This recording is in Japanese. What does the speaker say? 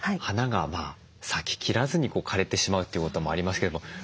花が咲ききらずに枯れてしまうということもありますけれども。